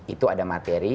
itu ada materi